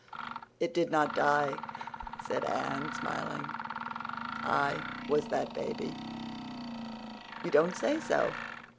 "It didn't die," said Anne, smiling. "I was that baby." "You don't say so!